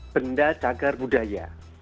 benda cagar budaya